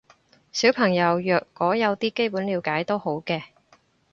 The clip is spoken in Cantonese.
小朋友若果有啲基本了解都好嘅